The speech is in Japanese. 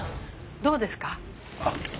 どうですか？